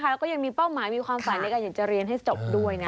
แล้วก็ยังมีเป้าหมายมีความฝันในการอยากจะเรียนให้จบด้วยนะ